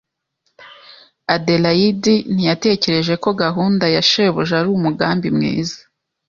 Aderayidi ntiyatekereje ko gahunda ya shebuja ari umugambi mwiza.